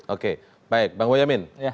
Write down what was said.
oke baik bang boyamin